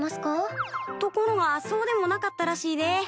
ところがそうでもなかったらしいで。